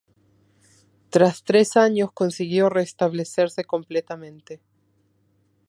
Tras tres años, consiguió restablecerse completamente.